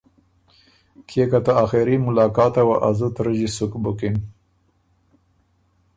کيې که ته آخېري ملاقاته وه ا زُت رݫی سُک بُکِن۔